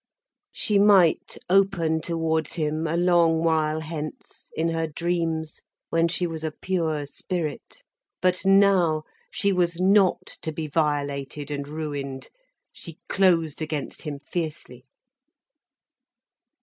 She might open towards him, a long while hence, in her dreams, when she was a pure spirit. But now she was not to be violated and ruined. She closed against him fiercely.